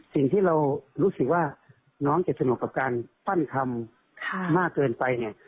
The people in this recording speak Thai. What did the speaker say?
สิ่งที่เรารู้สึกว่าน้องจะสนุกกับการปั้นคำมากเกินไปเนี่ย